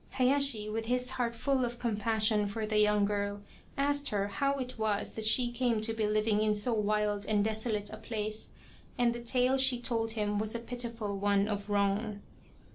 Hayashi, with his heart full of compassion for the young girl, asked her how it was that she came to be living in so wild and desolate a place, and the tale she told him was a pitiful one of wrong.